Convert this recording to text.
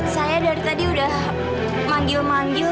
saya dari tadi udah manggil manggil